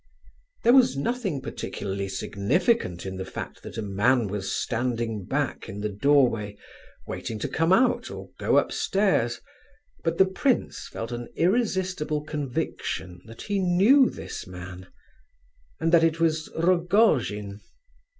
There was nothing particularly significant in the fact that a man was standing back in the doorway, waiting to come out or go upstairs; but the prince felt an irresistible conviction that he knew this man, and that it was Rogojin.